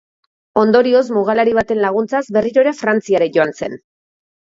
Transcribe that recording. Ondorioz, mugalari baten laguntzaz, berriro ere Frantziara joan zen.